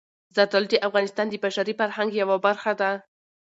زردالو د افغانستان د بشري فرهنګ یوه برخه ده.